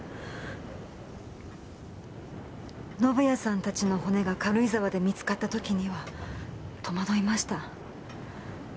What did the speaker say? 宣也さんたちの骨が軽井沢で見つかった時には戸惑いました。